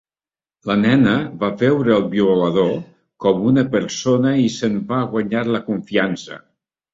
La nena va veure el violador com una persona i se'n va guanyar la confiança.